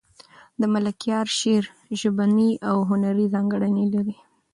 د ملکیار شعر ژبنۍ او هنري ځانګړنې لري.